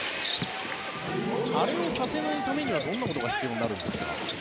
それをさせないためにはどんなことが必要ですか？